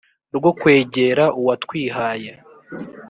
rwo kwegera uwatwihaye